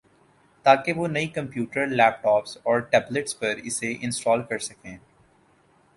تاکہ وہ نئی کمپیوٹر ، لیپ ٹاپس اور ٹیبلٹس پر اسے انسٹال کر سکیں